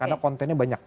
karena kontennya banyak